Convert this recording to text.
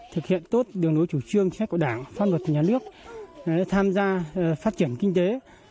thực hiện tốt đường đối chủ trương với các cộng đảng phát luật nhà nước tham gia phát triển kinh tế